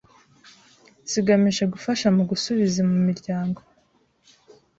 zigamije gufasha mu gusubiza mu miryango